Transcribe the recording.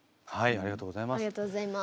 ありがとうございます。